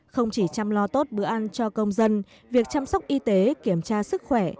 không chỉ chăm lo tốt bữa ăn cho công dân việc chăm sóc y tế kiểm tra sức khỏe